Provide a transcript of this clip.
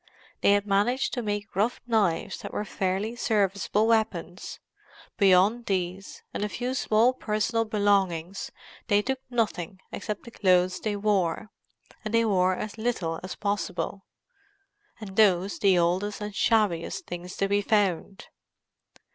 They had managed to make rough knives that were fairly serviceable weapons; beyond these, and a few small personal belongings they took nothing except the clothes they wore—and they wore as little as possible, and those the oldest and shabbiest things to be found.